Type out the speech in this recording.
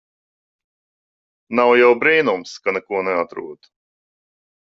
Nav jau brīnums ka neko neatrod.